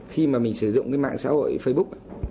khi mà mình sử dụng cái mạng xã hội facebook